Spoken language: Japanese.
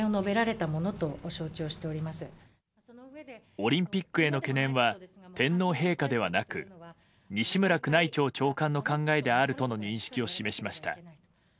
オリンピックへの懸念は天皇陛下ではなく西村宮内庁長官の考えであるとの認識を示しました。